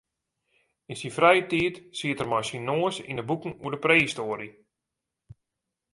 Yn syn frije tiid siet er mei syn noas yn de boeken oer prehistoarje.